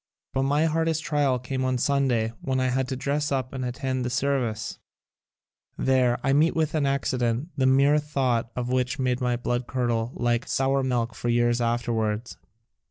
But my hardest trial came on Sunday when I had to dress up and attend the service. There I met with an accident, the mere thought of which made my blood curdle like sour milk for years afterwards.